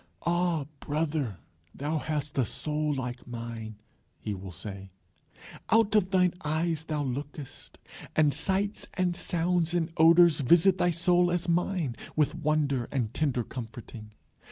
"Ah brother! thou hast a soul like mine," he will say. "Out of thine eyes thou lookest, and sights and sounds and odours visit thy soul as mine, with wonder and tender comforting.